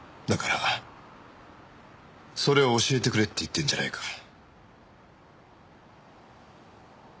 だからそれを教えてくれって言ってんじゃないか。